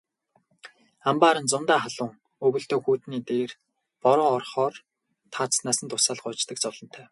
Амбаар нь зундаа халуун, өвөлдөө хүйтний дээр бороо орохоор таазнаас нь дусаал гоождог зовлонтой.